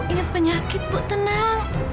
ingat penyakit bu tenang